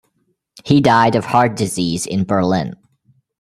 He died of heart disease in Berlin.